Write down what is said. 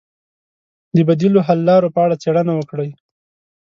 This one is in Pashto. د بدیلو حل لارو په اړه څېړنه وکړئ.